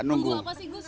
nunggu apa sih gus